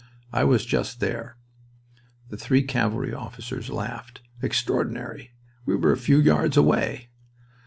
"I was just there." The three cavalry officers laughed. "Extraordinary! We were a few yards away."